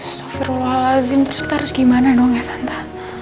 astagfirullahaladzim terus kita harus gimana dong ya tante